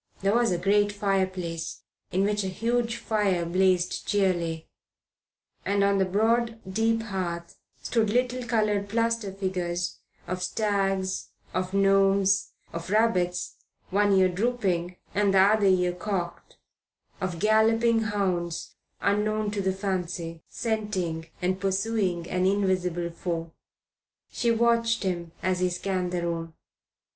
There was a great fireplace in which a huge fire blazed cheerily, and on the broad, deep hearth stood little coloured plaster figures of stags, of gnomes, of rabbits, one ear dropping, the other ear cocked, of galloping hounds unknown to the fancy, scenting and pursuing an invisible foe. She watched him as he scanned the room.